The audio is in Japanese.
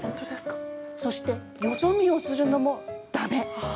そしてよそ見をするのも、だめ！